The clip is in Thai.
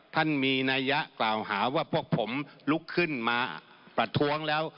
ท่านมีนัยยะกล่าวหาว่าพวกผมลุกขึ้นมาประท้วงแล้ว